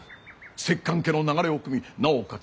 摂関家の流れをくみなおかつ